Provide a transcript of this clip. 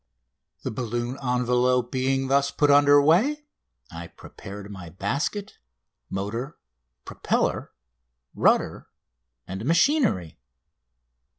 The balloon envelope being thus put under way I prepared my basket, motor, propeller, rudder, and machinery.